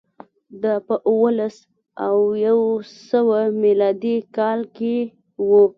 دا په اووه لس او یو سوه میلادي کال کې و